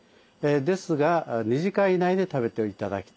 ですが２時間以内で食べて頂きたい。